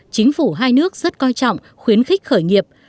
chính phủ hai nước rất coi trọng khuyến khích khởi nghiệp